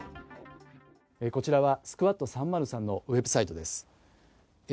こちらはスクワット３０３のウェブサイトです。